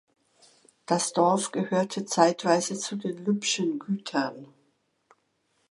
Das Dorf gehörte zeitweise zu den Lübschen Gütern.